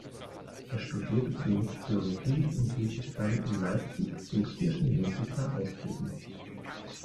Er studierte zunächst Theologie und ließ sich dann in Leipzig zum Kirchenmusiker ausbilden.